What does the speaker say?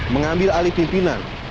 mengambil alih pimpinan